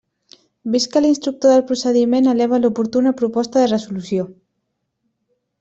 Vist que l'instructor del procediment eleva l'oportuna proposta de resolució.